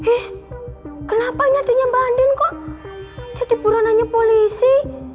eh kenapa ini adeknya mbak andin kok dia diburu nanya polisi